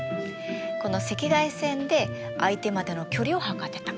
この赤外線で相手までの距離を測ってた。